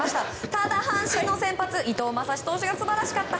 ただ、阪神の先発伊藤将司投手が素晴らしかった。